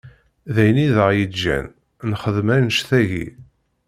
D ayen i d aɣ-yeǧǧan, nxeddem anect-agi.